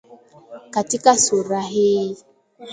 Katika sura hii